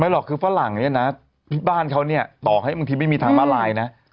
หรอกคือฝรั่งเนี่ยนะบ้านเขาเนี่ยต่อให้บางทีไม่มีทางมาลายนะ